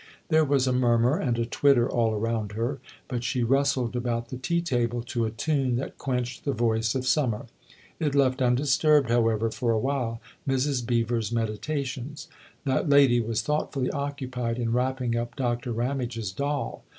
There was a murmur and a twitter all around her; but she rustled about the tea table to a tune that quenched the voice of summer. It left undisturbed, however, for awhile, Mrs. Beever's meditations; that lady was thoughtfully occupied in wrapping up Doctor Ramage's doll.